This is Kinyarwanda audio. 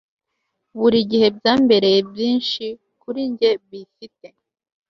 Buri gihe byambereye byinshi kuri njye bifite